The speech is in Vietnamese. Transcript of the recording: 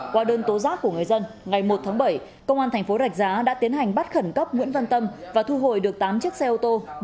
qua đơn tố giác của người dân ngày một tháng bảy công an thành phố rạch giá đã tiến hành bắt khẩn cấp nguyễn văn tâm và thu hồi được tám chiếc xe ô tô